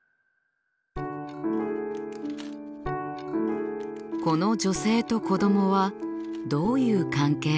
この女性と子どもはどういう関係かな？